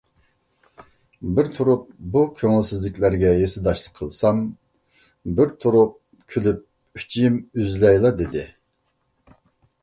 بىر تۇرۇپ بۇ كۆڭۈلسىزلىكلەرگە ھېسداشلىق قىلسام، بىر تۇرۇپ كۈلۈپ ئۈچىيىم ئۈزۈلەيلا دېدى.